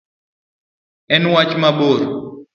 En wach mabor.